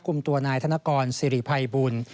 กลุ่มตัวนายธนกรสิริภัยบุญ